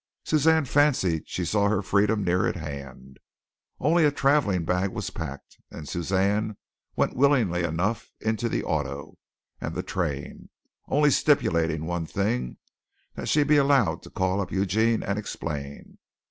Suzanne fancied she saw her freedom near at hand. Only a travelling bag was packed, and Suzanne went willingly enough into the auto and the train, only stipulating one thing that she be allowed to call up Eugene and explain.